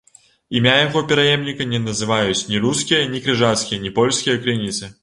Імя яго пераемніка не называюць ні рускія, ні крыжацкія, ні польскія крыніцы.